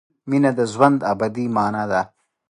مینه د ژوند ابدي مانا ده.